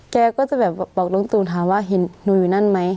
แกก็จะแบบบอกลุงตูนถามว่าเห็นหนูอยู่นั่นไหม